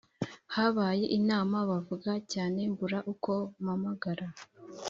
Habaye inama bavuga cyane mbura uko mamagara